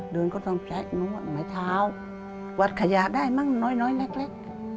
เดินก็ต้องใช้นวดไม้เท้าวัดขยะได้มั่งน้อยเล็ก